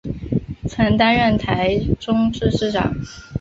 曾担任台中市市长。